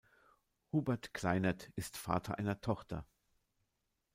Hubert Kleinert ist Vater einer Tochter.